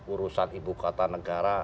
urusan ibu kota negara